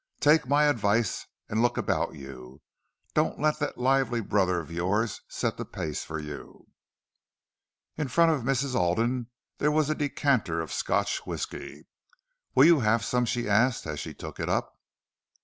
Take my advice and look about you—don't let that lively brother of yours set the pace for you." In front of Mrs. Alden there was a decanter of Scotch whisky. "Will you have some?" she asked, as she took it up.